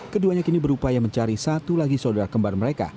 keduanya kini berupaya mencari satu lagi saudara kembar mereka